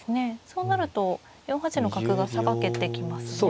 そうなると４八の角がさばけてきますね。